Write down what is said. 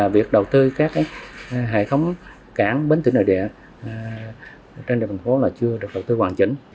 việc đầu tư các hải khóng cảng bến thủy nội địa trên đường bình phố là chưa được đầu tư hoàn chỉnh